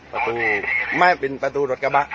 ประตูประตูรถกระวะ